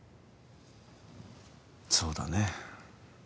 そうだね。